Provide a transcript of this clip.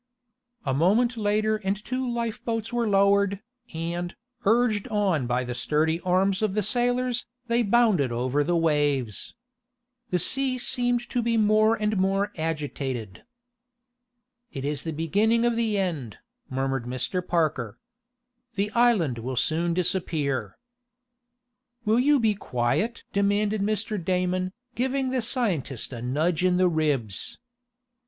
A moment later and two lifeboats were lowered, and, urged on by the sturdy arms of the sailors, they bounded over the waves. The sea seemed to be more and more agitated. "It is the beginning of the end," murmured Mr. Parker. "The island will soon disappear." "Will you be quiet?" demanded Mr. Damon, giving the scientist a nudge in the ribs.